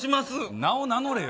名を名乗れよ。